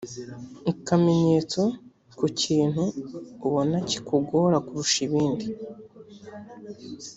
ikamenyetso ku kintu ubona kikugora kurusha ibindi